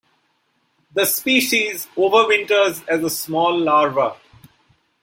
The species overwinters as a small larva.